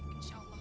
insya allah po